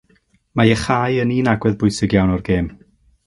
Mae iachau yn un agwedd bwysig iawn o'r gêm.